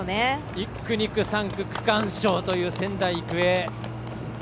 １区、２区、３区区間賞の仙台育英。